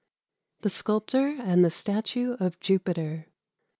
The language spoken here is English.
THE SCULPTOR AND THE STATUE OF JUPITER.